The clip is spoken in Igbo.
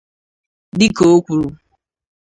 Dịka o kwuru